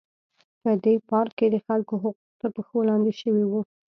په دې پارک کې د خلکو حقوق تر پښو لاندې شوي وو.